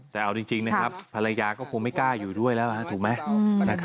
แต่เอาจริงนะครับภรรยาก็คงไม่กล้าอยู่ด้วยแล้วถูกไหม